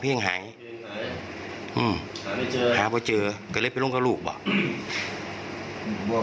ผมจับไม่เปิดผมไม่ได้ตัดในภาคศูนย์